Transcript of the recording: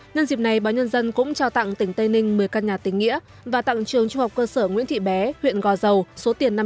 nhân dịp này báo nhân dân cũng trao tặng tỉnh tây ninh một mươi căn nhà tính nghĩa và tặng trường trung học cơ sở nguyễn thị bé huyện gò dầu số tiền năm trăm linh triệu đồng